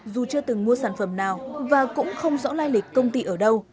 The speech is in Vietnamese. dù chưa từng mua sản phẩm nào và cũng không rõ lai lịch công ty ở đâu